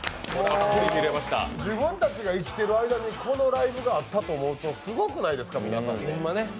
自分たちが生きている間にこのライブがあったと思うとすごくないですか、皆さん？